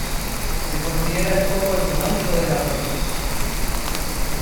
Se considera el foco económico de la provincia.